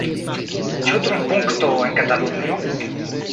Ĉu turnpunkto en Katalunio?